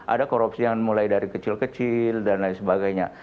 ada korupsi yang mulai dari kecil kecil dan lain sebagainya